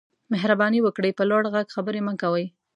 مهرباني وکړئ په لوړ غږ خبرې مه کوئ